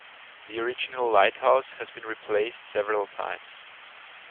The original lighthouse has been replaced several times.